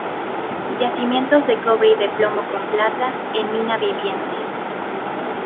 Yacimientos de cobre y de plomo con plata en mina Viviente.